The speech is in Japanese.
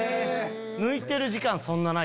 抜いてる時間そんなない？